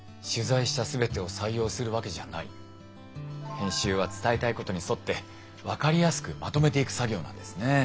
編集は伝えたいことに沿って分かりやすくまとめていく作業なんですね。